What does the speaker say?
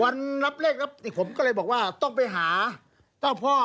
วันรับเลขรับผมก็เลยบอกว่าต้องไปหาเจ้าพ่อ